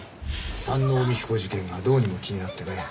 山王美紀子事件がどうにも気になってね。